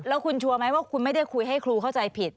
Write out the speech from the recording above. แล้วคุณชัวร์ไหมว่าคุณไม่ได้คุยให้ครูเข้าใจผิด